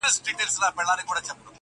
یو په ښار کي اوسېدی بل په صحرا کي.!